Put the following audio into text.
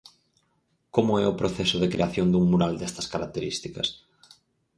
Como é o proceso de creación dun mural destas características?